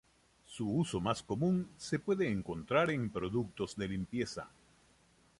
Su uso más común se puede encontrar en productos de limpieza.